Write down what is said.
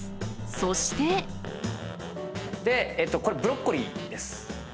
［そして］でこれブロッコリーです。